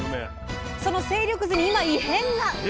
その勢力図に今異変が！